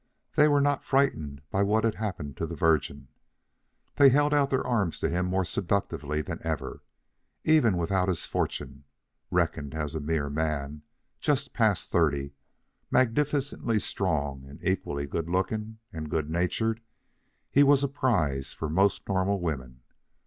THEY were not frightened by what had happened to the Virgin. They held out their arms to him more seductively than ever. Even without his fortune, reckoned as a mere man, just past thirty, magnificently strong and equally good looking and good natured, he was a prize for most normal women.